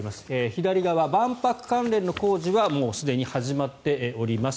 左側、万博関連の工事はすでに始まっております。